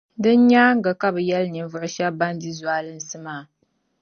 Din nyaaŋa, kabɛ yεli ninvuɣu shɛba ban di zualinsi maa.